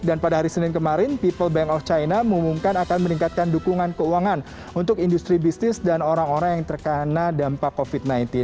dan pada hari senin kemarin people bank of china mengumumkan akan meningkatkan dukungan keuangan untuk industri bisnis dan orang orang yang terkena dampak covid sembilan belas